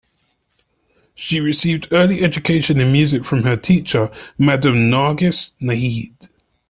She received early education in music from her teacher, Madam Nargis Naheed.